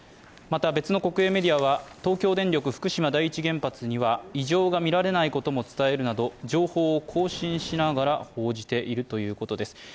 また、別の国営メディアは、東京電力福島第一原発には異常が見られないことを伝えるなど情報を更新しながら報じているということです。